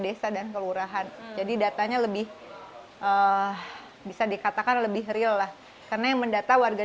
desa dan kelurahan jadi datanya lebih bisa dikatakan lebih real lah karena yang mendata warga